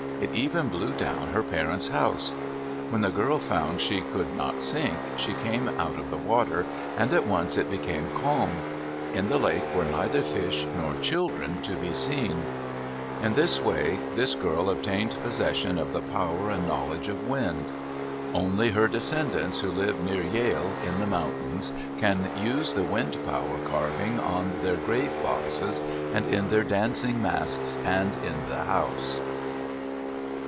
It even blew down her parents' house. When the girl found she could not sink, she came out of the water and at once it became calm. In the lake were neither fish nor children to be seen. In this way this girl obtained possession of the power and knowledge of wind. Only her descendants who live near Yale, in the mountains, can use the wind power carving on their grave boxes and in their dancing masks and in the house.